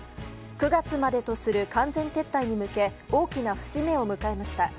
９月までとする完全撤退に向け大きな節目を迎えました。